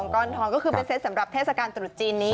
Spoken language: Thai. ก้อนทองก็คือเป็นเซตสำหรับเทศกาลตรุษจีนนี้